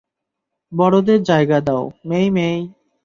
বড়দের জায়গা দাও, মেই-মেই।